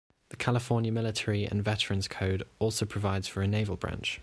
The California Military and Veterans Code also provides for a naval branch.